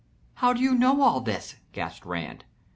"How do you know all this?" gasped Rand.